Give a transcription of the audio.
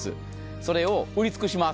それを売り尽くします。